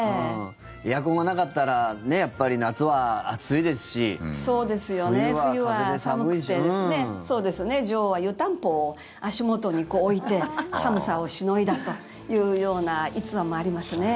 エアコンがなかったらやっぱり夏は暑いですし冬は寒くて女王は湯たんぽを足元に置いて寒さをしのいだというような逸話もありますね。